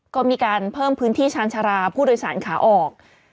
ก็มีการเพิ่มพื้นที่ชาญชาราผู้โดยสารขาออก